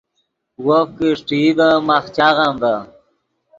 وف کہ اݰٹئی ڤے ماخ چاغم ڤے